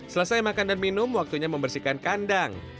selesai makan dan minum waktunya membersihkan kandang